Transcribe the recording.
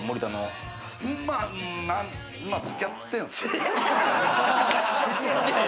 まぁ、付き合ってんです。